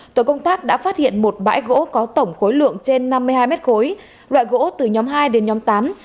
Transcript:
tổ công tác đã phát hiện một bãi gỗ có tổng khối lượng trên năm mươi hai mét khối loại gỗ từ nhóm hai đến nhóm tám